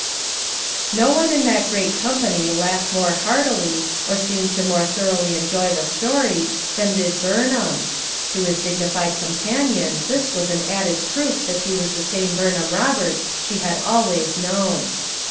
'" No one in that great company laughed more heartily or seemed to more thoroughly enjoy the story, than did Burnham; to his dignified companion this was an added proof that he was the same Burnham Roberts she had always known.